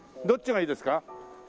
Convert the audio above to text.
どっちがいいですか？